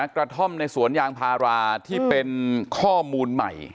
กระท่อมในสวนยางพาราที่เป็นข้อมูลใหม่